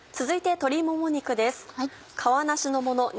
続いて鶏もも肉です。